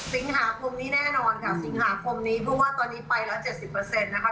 สิงหาคมนี้แน่นอนค่ะสิงหาคมนี้เพราะว่าตอนนี้ไปแล้ว๗๐นะคะ